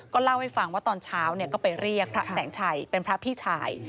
เล่าให้ฟังว่าตอนเช้าก็ไปเรียกพระแสงชัยเป็นพระพี่ชาย